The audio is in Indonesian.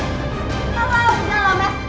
kalau udah lah mas